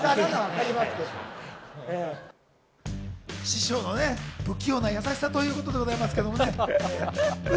師匠の不器用な優しさということなんでございますけどね。